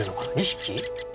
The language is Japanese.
２匹？